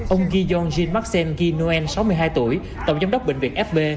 ông giyonjin maksen ginoen sáu mươi hai tuổi tổng giám đốc bệnh viện fv